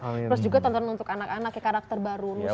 terus juga tonton untuk anak anaknya karakter baru nusa dan juga rara